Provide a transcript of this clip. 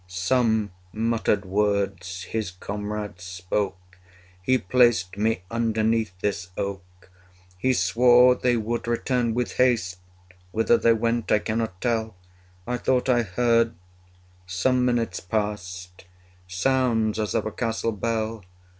95 Some muttered words his comrades spoke: Ha placed me underneath this oak; He swore they would return with haste; Whither they went I cannot tell I thought I heard, some minutes past, 100 Sounds as of a castle bell.